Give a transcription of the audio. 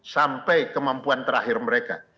sampai kemampuan terakhir mereka